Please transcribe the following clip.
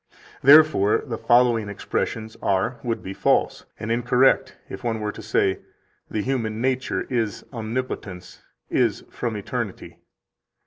Therefore the following expressions are [would be] false and incorrect if one were to say: "The human nature is Omnipotence, is from eternity."